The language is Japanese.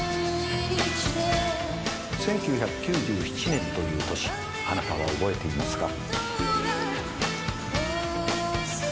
１９９７年という年あなたは覚えていますか？